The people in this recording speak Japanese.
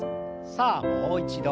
さあもう一度。